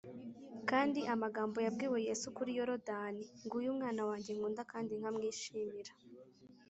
Kandi amagambo yabwiwe Yesu kuri Yoridani, ‘‘Nguyu umwana wanjye nkunda kandi nkamwishimira,